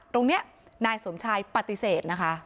ตรงนี้นายสมชายปฏิเสธนะคะ